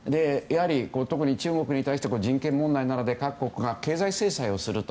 特に中国に対して人権問題などで各国が経済制裁をすると。